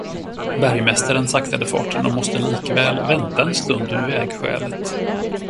Bergmästaren saktade farten och måste likväl vänta en stund vid vägskälet.